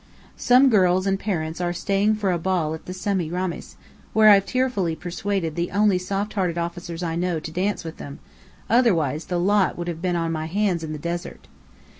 (Some girls and parents are staying for a ball at the Semiramis, where I've tearfully persuaded the only soft hearted officers I know to dance with them otherwise the lot would have been on my hands in the desert.)